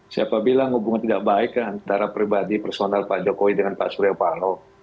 siapa bilang hubungan tidak baik antara pribadi personal pak jokowi dengan pak surya paloh